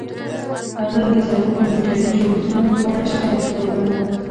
هغه د زړو کمپیوټري جوړښتونو په اړه شکایت کاوه